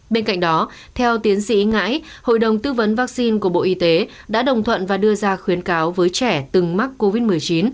bên cạnh đó theo tiến sĩ ngãi hội đồng tư vấn vaccine của bộ y tế đã đồng thuận và đưa ra khuyến cáo với trẻ từng mắc covid một mươi chín